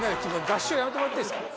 合唱やめてもらっていいですか。